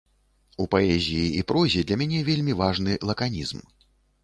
У паэзіі і прозе для мяне вельмі важны лаканізм.